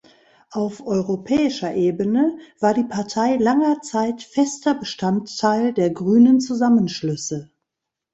Auf europäischer Ebene war die Partei langer Zeit fester Bestandteil der grünen Zusammenschlüsse.